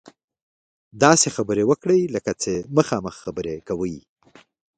داسې خبرې وکړئ لکه چې مخامخ خبرې کوئ.